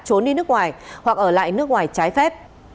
trốn đi nước ngoài hoặc ở lại nước ngoài trái phép